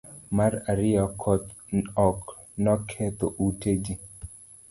mar ariyo. koth ok noketho ute ji